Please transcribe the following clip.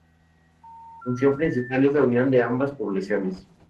Su función principal es la unión de ambas poblaciones.